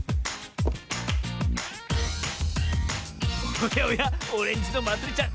おやおやオレンジのまつりちゃん